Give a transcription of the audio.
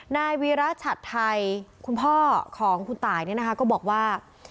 นายวีรชัดไทยคุณพ่อของคุณตายเนี่ยนะคะก็บอกว่า